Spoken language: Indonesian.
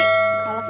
lu ada relaksinya